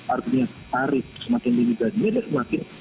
artinya tarik semakin lebih dan mirip semakin